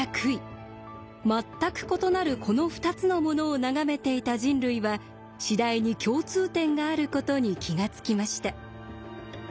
全く異なるこの２つのものを眺めていた人類は次第に共通点があることに気が付きました。